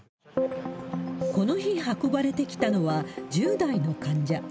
この日運ばれてきたのは１０代の患者。